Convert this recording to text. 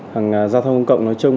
hàng giao thông công cộng nói chung